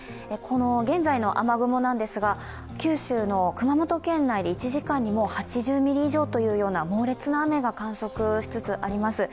現在の雨雲なんですが、九州の熊本県内で１時間に８０ミリ以上というような猛烈な雨が観測しつつあります。